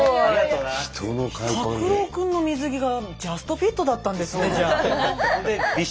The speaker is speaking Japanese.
タクロウ君の水着がジャストフィットだったんですねじゃあ。